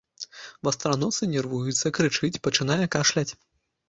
Вастраносы нервуецца, крычыць, пачынае кашляць.